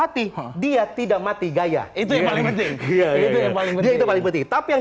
yang di vonis mati dia tidak mati gaya itu yang paling penting dia yang paling penting tapi yang